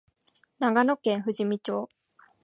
長野県富士見町